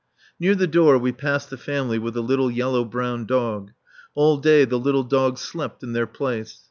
Near the door we pass the family with the little yellow brown dog. All day the little dog slept in their place.